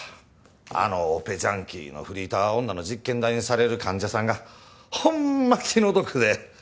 あのオペジャンキーのフリーター女の実験台にされる患者さんがホンマ気の毒で。